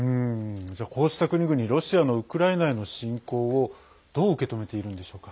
こうした国々ロシアのウクライナへの侵攻をどう受け止めているんでしょうか？